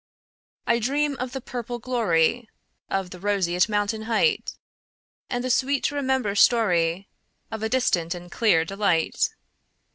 I dream of the purple gloryOf the roseate mountain heightAnd the sweet to remember storyOf a distant and clear delight.